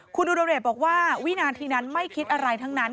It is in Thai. คุณอุดรเดชบอกว่าวินาทีนั้นไม่คิดอะไรทั้งนั้น